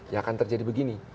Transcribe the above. ya akan terjadi begini